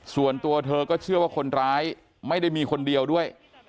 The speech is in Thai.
ส่วนตัวเธอก็เชื่อว่าคนร้ายไม่ได้มีคนเดียวด้วย